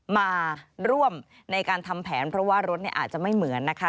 มาร่วมในการทำแผนเพราะว่ารถอาจจะไม่เหมือนนะคะ